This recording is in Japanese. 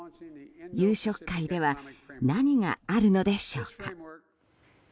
夕食会では何があるのでしょうか。